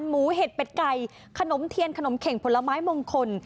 เห็ดเป็ดไก่ขนมเทียนขนมเข่งผลไม้มงคล